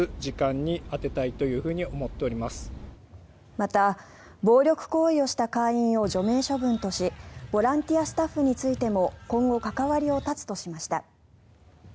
また、暴力行為をした会員を除名処分としボランティアスタッフについても今後、関わりを絶つとしました。